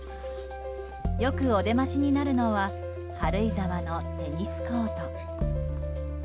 よくお出ましになるのは軽井沢のテニスコート。